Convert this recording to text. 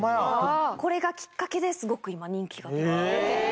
これがきっかけですごく今人気。